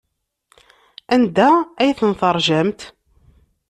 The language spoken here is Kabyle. Anda ay ten-teṛjamt?